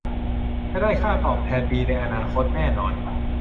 จะได้ค่าตอบแทนดีในอนาคตแน่นอน